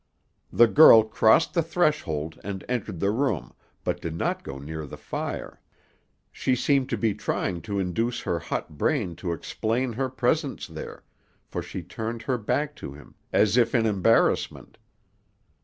The girl crossed the threshold, and entered the room, but did not go near the fire. She seemed to be trying to induce her hot brain to explain her presence there, for she turned her back to him, as if in embarrassment.